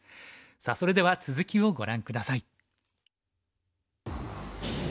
さあそれでは続きをご覧下さい。